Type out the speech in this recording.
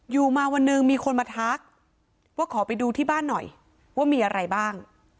อยู่มาวันหนึ่งมีคนมาทักว่าขอไปดูที่บ้านหน่อยว่ามีอะไรบ้าง